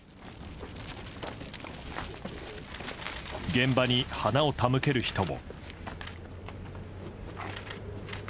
現場に花を手向ける人も。